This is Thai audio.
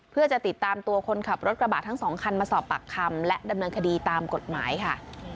เพื่อจะติดตามตัวคนขับรถกระบะทั้งสองคันมาสอบปากคำและดำเนินคดีตามกฎหมายค่ะ